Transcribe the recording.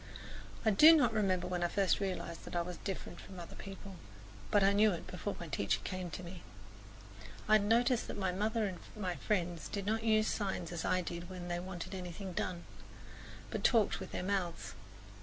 I do not remember when I first realized that I was different from other people; but I knew it before my teacher came to me. I had noticed that my mother and my friends did not use signs as I did when they wanted anything done, but talked with their mouths.